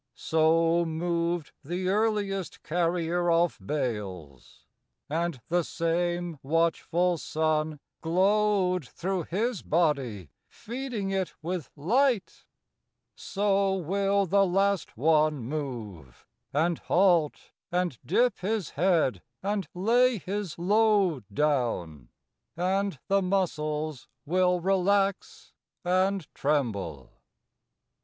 So moved the earliest carrier of bales, And the same watchful sun Glowed through his body feeding it with light. So will the last one move, And halt, and dip his head, and lay his load Down, and the muscles will relax and tremble.